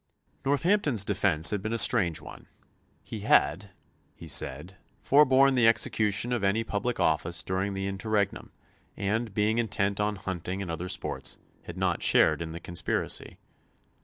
Northampton's defence had been a strange one. He had, he said, forborne the execution of any public office during the interregnum and, being intent on hunting and other sports, had not shared in the conspiracy.